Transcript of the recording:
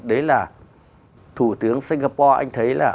đấy là thủ tướng singapore anh thấy là